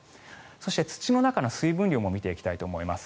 そして、土の中の水分量も見ていきたいと思います。